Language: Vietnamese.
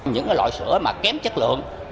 những loại sữa mà kém chất lượng